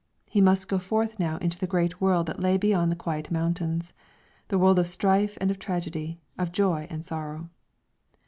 He must go forth now into the great world that lay beyond the quiet mountains, the world of strife and of tragedy, of joy and of sorrow.